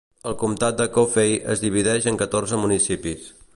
El comtat de Coffey es divideix en catorze municipis.